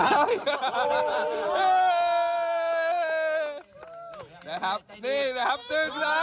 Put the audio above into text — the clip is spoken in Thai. นี่นะครับนี่นะครับจึงล้ามัน